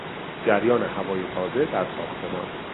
جریان هوای تازه در ساختمان